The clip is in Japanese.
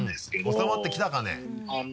収まってきたかね？